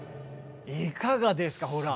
いかがですかほら。